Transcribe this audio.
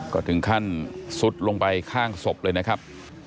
ก็ถึงขั้นซุดลงไปข้างศพเลยนะครับ